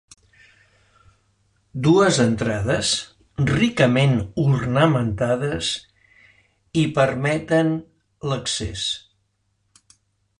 Dues entrades, ricament ornamentades, hi permeten l'accés.